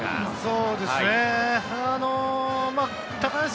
そうですね。